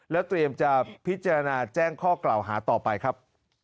เตรียมจะพิจารณาแจ้งข้อกล่าวหาต่อไปครับ